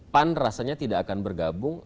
pan rasanya tidak akan bergabung